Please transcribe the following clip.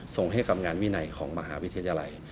ส่งให้กับงานวินัยของมหาวิทยาลัย